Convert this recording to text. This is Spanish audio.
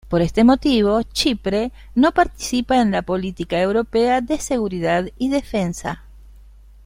Por ese motivo, Chipre no participa en la Política Europea de Seguridad y Defensa.